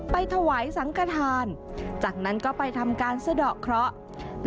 ไปถวายสังกฐานจากนั้นก็ไปทำการสะดอกเคราะห์